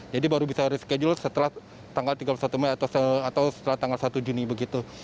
jadi baru bisa reschedule setelah tanggal tiga puluh satu mei atau setelah tanggal satu juni begitu